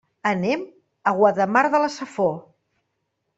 Anem a Guardamar de la Safor.